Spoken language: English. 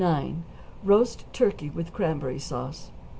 =Roast Turkey with Cranberry Sauce.